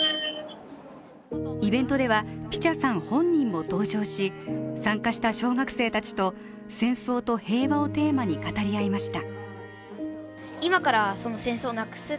イベントではピチャさん本人も登場し、参加した小学生たちと戦争と平和をテーマに語り合いました。